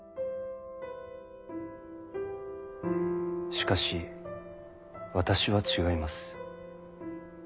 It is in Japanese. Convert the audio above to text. しかし私は違います。